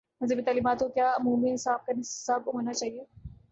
مذہبی تعلیمات کو کیا عمومی نصاب کا حصہ ہو نا چاہیے؟